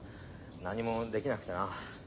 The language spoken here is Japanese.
何もできなくてな。